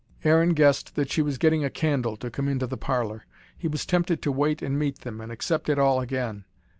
Aaron guessed that she was getting a candle to come into the parlour. He was tempted to wait and meet them and accept it all again.